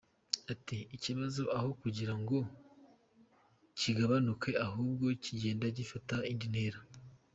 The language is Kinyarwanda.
Ati “Ikibazo aho kugira ngo kigabanuke ahubwo kigenda gifata indi ntera.